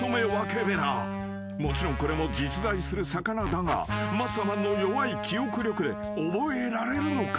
［もちろんこれも実在する魚だがマッサマンの弱い記憶力で覚えられるのか？］